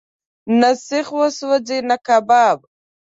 نه سیخ وسوځېد، نه کباب.